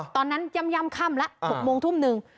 ตอนนั้นย่ำค่ำละ๖โมงทุ่มนึง